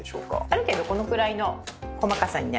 ある程度このくらいの細かさになれば。